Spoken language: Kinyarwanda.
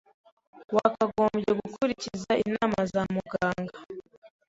Wakagombye gukurikiza inama za muganga.